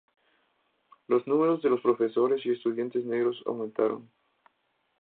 Los números de profesores y estudiantes negros aumentaron.